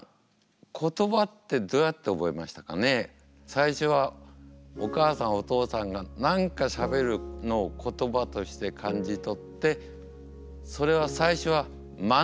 最初はお母さんお父さんが何かしゃべるのを言葉として感じ取ってそれは最初はまねですよね。